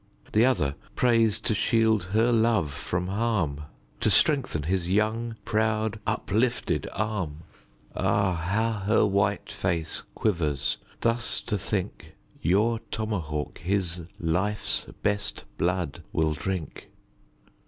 The other prays to shield her love from harm, To strengthen his young, proud uplifted arm. Ah, how her white face quivers thus to think, Your tomahawk his life's best blood will drink.